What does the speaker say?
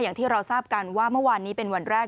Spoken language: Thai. อย่างที่เราทราบกันว่าเมื่อวานนี้เป็นวันแรก